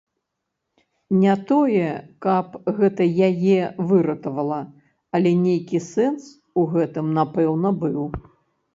Не тое, каб гэта яе выратавала, але нейкі сэнс у гэтым, напэўна, быў.